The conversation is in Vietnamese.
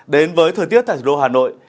đến với thời tiết tại thủ đô hà nội